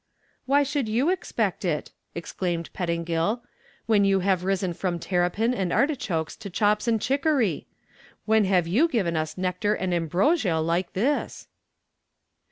"Why should you expect it?" exclaimed Pettingill, "when you have risen from terrapin and artichokes to chops and chicory? When have you given us nectar and ambrosia like this?"